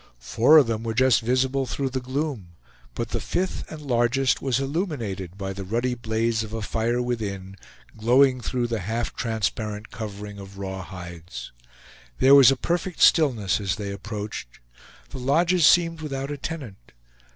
Four of them were just visible through the gloom, but the fifth and largest was illuminated by the ruddy blaze of a fire within, glowing through the half transparent covering of raw hides. There was a perfect stillness as they approached. The lodges seemed without a tenant.